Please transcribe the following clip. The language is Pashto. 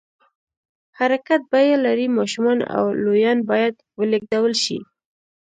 حرکت بیه لري، ماشومان او لویان باید ولېږدول شي.